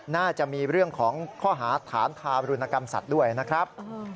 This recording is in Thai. น่าจะมีเรื่องของข้อหาฐานทารุณกรรมสัตว์ด้วยนะครับ